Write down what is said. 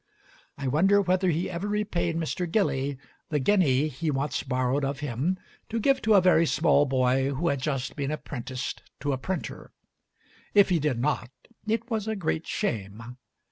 I wonder whether he ever repaid Mr. Dilly the guinea he once borrowed of him to give to a very small boy who had just been apprenticed to a printer. If he did not, it was a great shame.